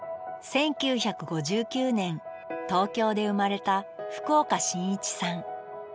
１９５９年東京で生まれた福岡伸一さん。